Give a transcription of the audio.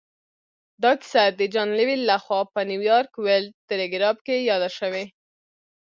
دا کیسه د جان لویل لهخوا په نیویارک ورلډ ټیليګراف کې یاده شوې